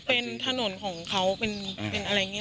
เป็นถนนของเขาเป็นอะไรงี้